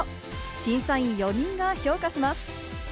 審査員４人が評価します。